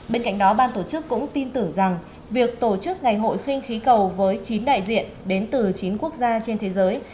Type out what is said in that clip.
bên cạnh đó ban tổ chức cũng tin tưởng rằng việc tổ chức ngày hội khinh khí cầu với chín đại diện đến từ chín quốc gia trên thế giới